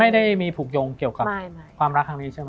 ไม่ได้มีผูกโยงเกี่ยวกับความรักครั้งนี้ใช่ไหม